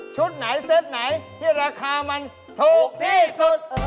ไหนเซตไหนที่ราคามันถูกที่สุด